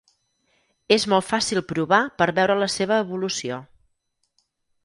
És molt fàcil provar per veure la seva evolució.